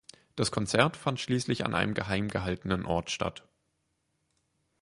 Das Konzert fand schließlich an einem geheimgehaltenen Ort statt.